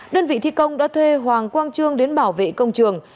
đơn vị thi công đã thuê hoàng quang trương đến bảo vệ công trường